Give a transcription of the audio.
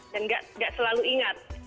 dan gak selalu ingat